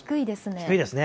低いですね。